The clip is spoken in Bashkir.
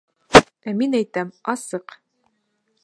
Ә мин әйтәм: асыҡ!